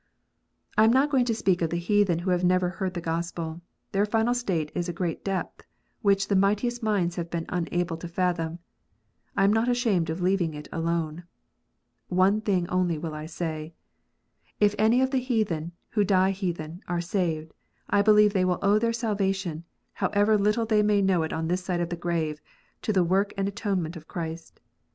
I am not going to speak of the heathen who have never heard the Gospel. Their final state is a great depth, which the mightiest minds have been unable to fathom : I am not ashamed of leaving it alone. One thing only I will say. If any of the heathen, who die heathen, are saved, I believe they will owe their salvation, however little they may know it on this side of the grave, to the work and atonement of Christ.